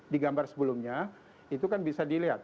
di gambar sebelumnya itu kan bisa dilihat